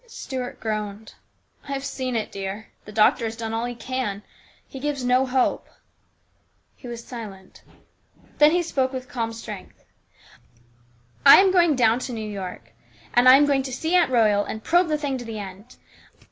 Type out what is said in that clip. Stuart groaned. " I have seen it, dear ; the doctor has done all he can. He gives no hope." He was silent. Then he spoke with calm strength. " I am going down to New York, and I am going to see Aunt Royal and probe the thing to the end.